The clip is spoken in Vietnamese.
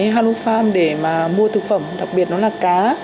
hano farm để mà mua thực phẩm đặc biệt nó là cá